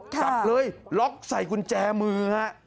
จับเลยล็อกใส่กุญแจมือฮะ